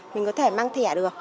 mình có thể mang thẻ được